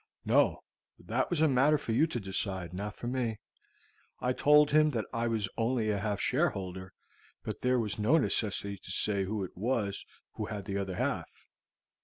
"No, that was a matter for you to decide, not for me. I told him that I was only a half shareholder, but there was no necessity to say who it was who had the other half.